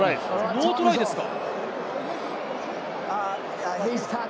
ノートライですか。